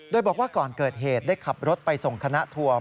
โดยบอกว่าก่อนเกิดเหตุได้ขับรถไปส่งคณะทัวร์